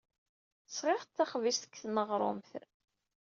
Sɣiɣ-d taxbizt seg tneɣrumt.